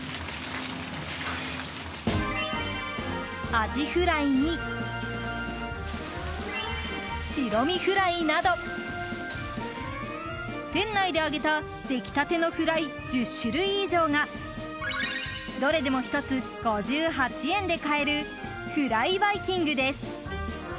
アジフライに、白身フライなど店内で揚げた出来たてのフライ１０種類以上がどれでも１つ５８円で買えるフライバイキングです。